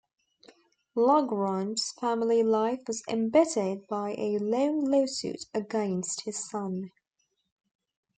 Lagrange's family life was embittered by a long lawsuit against his son.